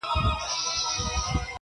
له ربابي سره شهباز ژړله!.